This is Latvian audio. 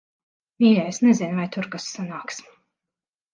Mīļais, nezinu, vai tur kas sanāks.